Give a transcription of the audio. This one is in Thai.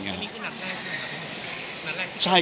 อันนี้คือนัจแรกใช่ไหม